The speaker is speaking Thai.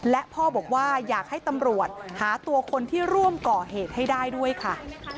และพ่อบอกว่าอยากให้ตำรวจหาตัวคนที่ร่วมก่อเหตุให้ได้ด้วยค่ะ